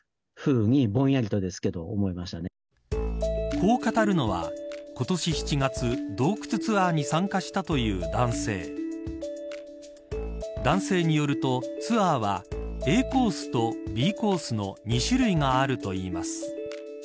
こう語るのは、今年７月洞窟ツアーに参加したという男性男性によると、ツアーはＡコースとＢコースの２種類があるといいます。